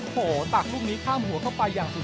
โอ้โหตักลูกนี้ข้ามหัวเข้าไปอย่างสุด